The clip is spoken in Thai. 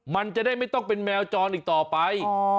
มันจะได้ไม่ต้องเป็นแมวจรอีกต่อไป